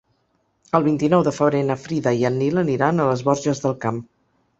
El vint-i-nou de febrer na Frida i en Nil aniran a les Borges del Camp.